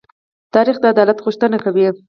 تاریخ د عدالت غوښتنه کوي.